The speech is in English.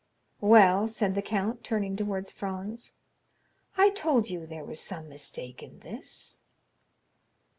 20211m "Well," said the count, turning towards Franz, "I told you there was some mistake in this."